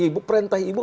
ibu perintah ibu